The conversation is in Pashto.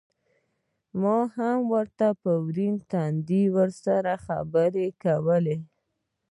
ما هم په ورين تندي ورسره خبرې کولې.